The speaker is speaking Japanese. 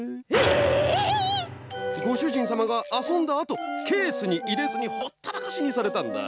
ごしゅじんさまがあそんだあとケースにいれずにほったらかしにされたんだ。